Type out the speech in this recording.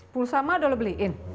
pulsanya udah lo beliin